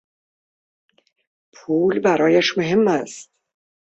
پول برایش مهم است.